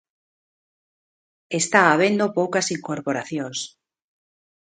Está habendo poucas incorporacións.